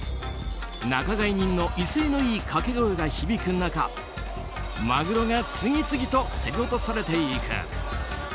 仲買人の威勢のいい掛け声が響く中マグロが次々と競り落とされていく。